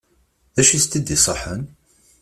D acu i sent-d-iṣaḥen?